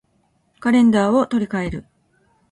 カレンダーを取り換える